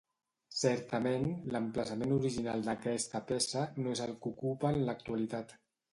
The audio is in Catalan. Certament, l'emplaçament original d'aquesta peça no és el que ocupa en l'actualitat.